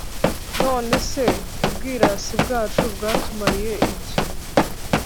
None se ubwirasi bwacu bwatumariye iki?